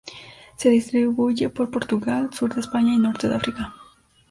Se distribuye por Portugal, sur de España y Norte de África.